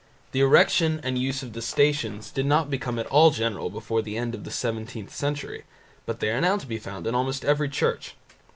The erection and use of the Stations did not become at all general before the end of the seventeenth century, but they are now to be found in almost every church.